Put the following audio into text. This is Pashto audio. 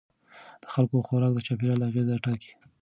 د خلکو خوراک د چاپیریال اغېز ټاکي.